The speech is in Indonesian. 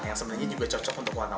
yang sebenarnya juga cocok untuk warna